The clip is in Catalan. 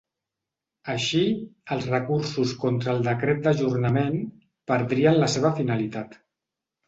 Així, els recursos contra el decret d’ajornament “perdrien la seva finalitat”.